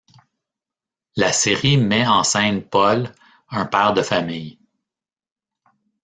La série met en scène Paul, un père de famille.